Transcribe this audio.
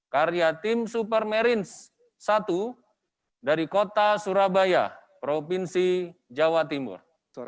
karya tim supermarins satu dari kota surabaya provinsi jawa timur